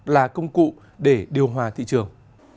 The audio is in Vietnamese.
là công cụ để điều hòa thị trường